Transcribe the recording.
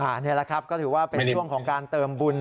อันนี้แหละครับก็ถือว่าเป็นช่วงของการเติมบุญ